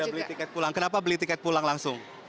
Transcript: beli tiket pulang kenapa beli tiket pulang langsung